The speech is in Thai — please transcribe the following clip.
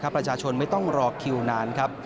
ประชาชนไม่ต้องรอคิวนานครับ